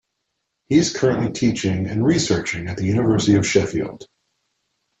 He is currently teaching and researching at the University of Sheffield.